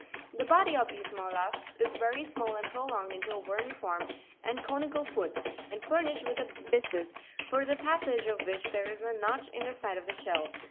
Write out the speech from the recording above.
The body of these mollusksis very small and prolonged into a vermiform and conte cal foot, and furnished with a byssus, for the passage of which Pig esos: thee is "neil in the side of the shell.